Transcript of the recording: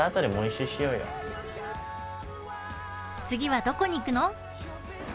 次はどこに行くの？